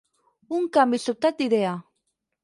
Un canvi sobtat d'idea.